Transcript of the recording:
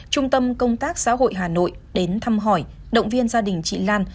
trung tâm công tác xã hội hà nội đến thăm hỏi động viên gia đình chị lan